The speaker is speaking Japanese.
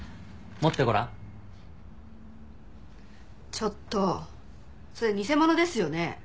ちょっとそれ偽物ですよね？